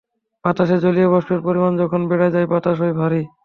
বাতাসে জলীয়বাষ্পের পরিমাণ যখন বেড়ে যায় বাতাস হয় ভারি।